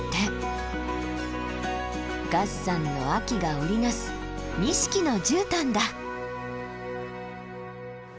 月山の秋が織り成す錦のじゅうたんだ。